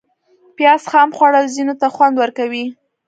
پیاز خام خوړل ځینو ته خوند ورکوي